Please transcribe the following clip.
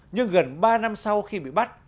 nhưng gần ba năm sau khi bị bắt